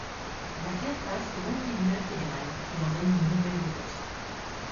L'affaire passe devant le Tribunal fédéral qui ordonne une nouvelle votation.